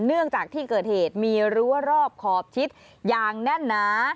เนื่องจากที่เกิดเหตุมีรั้วรอบขอบชิดอย่างแน่นหนา